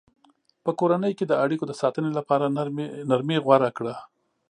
په کورنۍ کې د اړیکو د ساتنې لپاره نرمي غوره ده.